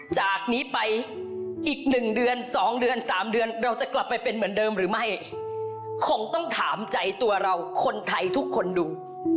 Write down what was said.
จากนี้ไปอีก๑เดือน๒เดือน๓เดือนเราจะกลับไปเป็นเหมือนเดิมหรือไม่คงต้องถามใจตัวเราคนไทยทุกคนดู